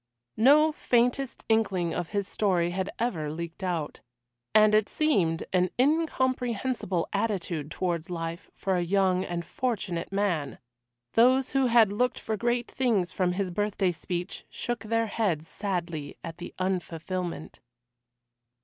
No faintest inkling of his story had ever leaked out. And it seemed an incomprehensible attitude towards life for a young and fortunate man. Those who had looked for great things from his birthday speech shook their heads sadly at the unfulfilment.